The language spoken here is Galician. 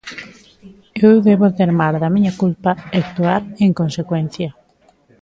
Eu debo termar da miña culpa e actuar en consecuencia.